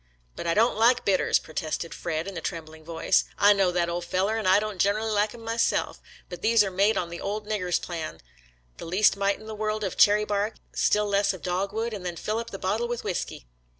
"But I don't like bitters," protested Fred in a trembling voice. "I know that, ole feller, an' I don't generally like 'em myself, but these are made on the old nigger's plan — the least mite in the world of cherry bark, still less of dogwood, and then fill up the bottle with whisky."